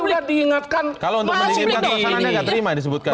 kalau untuk menurut saya saya nggak terima disebutkan